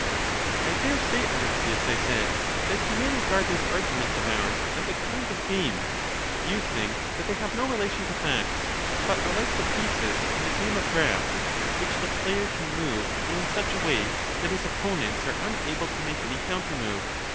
I dare say, Eryxias, I said, that you may regard these argu ments of ours as a kind of game ; you think that they have no relation to facts, but are like the pieces in the game of draughts which the player can move in such a way that his opponents are unable to make any countermove 1.